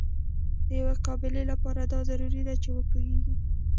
د یوې قابلې لپاره دا ضرور ده چې وپوهیږي.